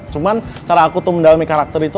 cuman cara aku tuh mendalami karakter itu